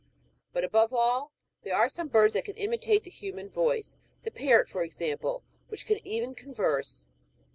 But above all, there are some birds that can imitate the hu man voice ; the parrot, for instance, which can even converse.